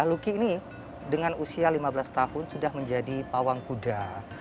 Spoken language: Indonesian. luki ini dengan usia lima belas tahun sudah menjadi pawang kuda